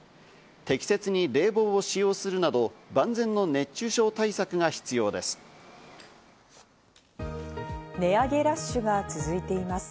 適切に冷房を使用するなど万全の熱中症対策が必要です。